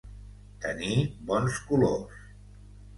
Tenir bons colors.